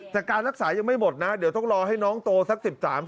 แต่การรักษายังไม่หมดนะเดี๋ยวต้องรอให้น้องโตสัก๑๓ปี